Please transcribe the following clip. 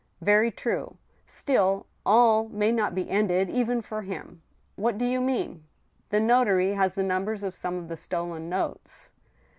" Very true." Still, all may not be ended— even for him." " What do you mean ?"" The notary has the numbers of some of the stolen notes."